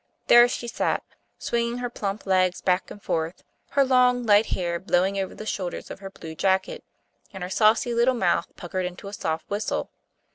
There she sat, swinging her plump legs back and forth, her long light hair blowing over the shoulders of her blue jacket, and her saucy little mouth puckered into a soft whistle.